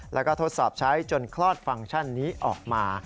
แล้วก็ทดสอบใช้จนคลอดฟังก์ชันนี้ออกมา